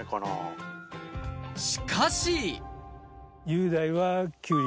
しかしえ！